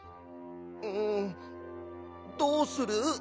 うんどうする？